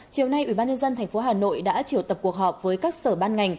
chiều nay ủy ban nhân dân tp hà nội đã chiều tập cuộc họp với các sở ban ngành